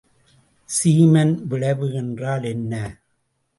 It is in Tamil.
சீமன் விளைவு என்றால் என்ன?